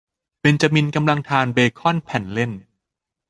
เบนจามินกำลังทานเบค่อนแผ่นเล่น